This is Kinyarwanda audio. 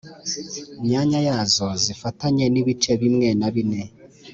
myanya yazo zifatanye n ibice bimwe na bine